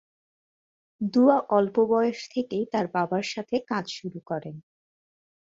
দুয়া অল্প বয়স থেকেই তার বাবার সাথে কাজ শুরু করেন।